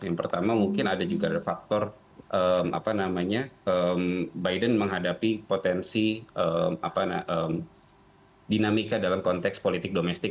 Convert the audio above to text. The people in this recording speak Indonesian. yang pertama mungkin ada juga faktor biden menghadapi potensi dinamika dalam konteks politik domestik